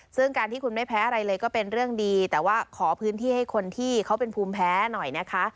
ซึ่งการที่คุณไม่แพ้อะไรเลยก็เป็นเรื่องดีแต่ว่าขอพื้นที่ให้คนที่เขาเป็นภูมิแพ้หน่อยนะคะ